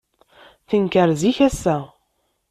Tenker zik, ass-a.